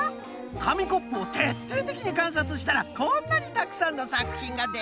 かみコップをてっていてきにかんさつしたらこんなにたくさんのさくひんができたぞい。